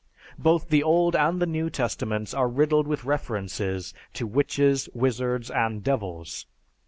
Both the Old and the New Testaments are riddled with references to witches, wizards, and devils.